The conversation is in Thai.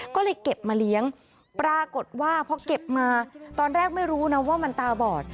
ก็เลยเก็บมาเลี้ยงปรากฏว่าพอเก็บมาตอนแรกไม่รู้นะว่ามันตาบอด